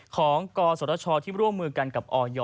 ของกสวทชที่ร่วมมือกันกับอย